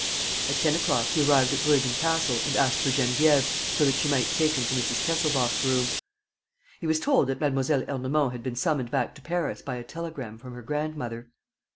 At ten o'clock he arrived at Bruggen Castle and asked for Geneviève, so that she might take him to Mrs. Kesselbach's room. He was told that Mlle. Ernemont had been summoned back to Paris by a telegram from her grandmother.